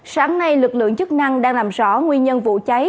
sáng nay lực lượng chức năng đang làm rõ nguyên nhân vụ cháy